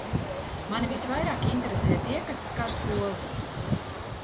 Mani visvairāk interesē tie, kas skar skolas.